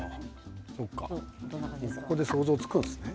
そうかここで想像つくんですね。